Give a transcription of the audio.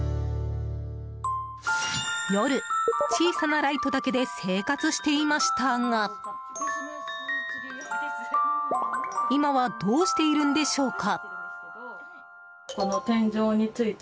夜、小さなライトだけで生活していましたが今はどうしているんでしょうか。